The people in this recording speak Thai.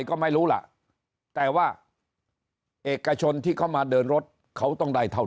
ก็ไม่รู้ล่ะแต่ว่าเอกชนที่เขามาเดินรถเขาต้องได้เท่า